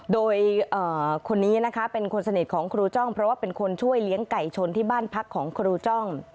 โดยคนนี้นะคะเป็นคนสนิทของครูจ้องเพราะว่าเป็นคนช่วยเลี้ยงไก่ชนที่บ้านพักของครูจ้อง